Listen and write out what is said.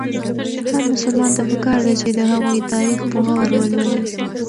هر مسلمان ته پکار ده چې د هغوی تاریخ په غور ولولي.